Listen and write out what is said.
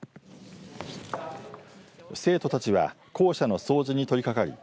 生徒たちは校舎の掃除に取りかかり